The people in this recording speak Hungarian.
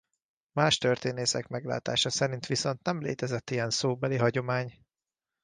Más történészek meglátása szerint viszont nem létezett ilyen szóbeli hagyomány.